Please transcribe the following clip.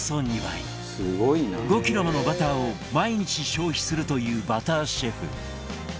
５キロものバターを毎日消費するというバターシェフ